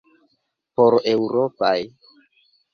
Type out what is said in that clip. Por eŭropaj?